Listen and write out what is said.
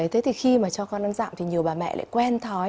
thế thì khi mà cho con ăn giảm thì nhiều bà mẹ lại quen thói